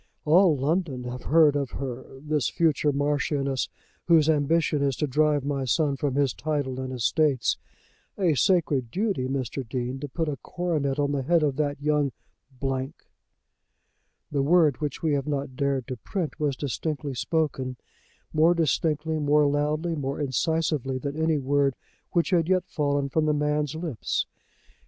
"All London have heard of her, this future Marchioness, whose ambition is to drive my son from his title and estates. A sacred duty, Mr. Dean, to put a coronet on the head of that young !" The word which we have not dared to print was distinctly spoken, more distinctly, more loudly, more incisively, than any word which had yet fallen from the man's lips.